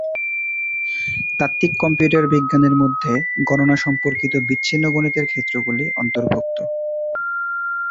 তাত্ত্বিক কম্পিউটার বিজ্ঞানের মধ্যে গণনা সম্পর্কিত বিচ্ছিন্ন গণিতের ক্ষেত্রগুলি অন্তর্ভুক্ত।